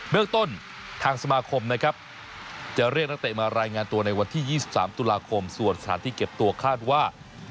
เมืองต้นทางสมาคมนะครับจะเรียกนักเตะมารายงานตัวในวันที่๒๓ตุลาคมส่วนสถานที่เก็บตัวคาดว่า